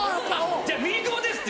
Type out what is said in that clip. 「じゃあミリクボです！